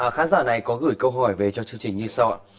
khán giả này có gửi câu hỏi về cho chương trình như sau